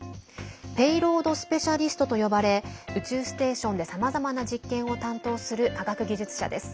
ペイロード・スペシャリストと呼ばれ宇宙ステーションでさまざまな実験を担当する科学技術者です。